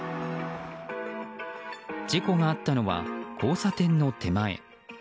事故があったのは交差点の手前。